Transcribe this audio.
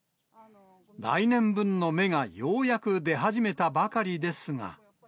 来年分の芽がようやく出始めたばかりですが。